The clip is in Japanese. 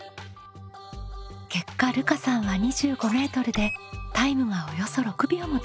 結果るかさんは２５メートルでタイムがおよそ６秒も縮まりました。